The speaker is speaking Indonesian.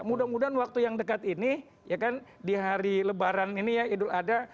mudah mudahan waktu yang dekat ini ya kan di hari lebaran ini ya idul adha